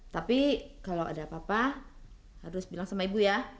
tapi kalau ada apa apa harus bilang sama ibu ya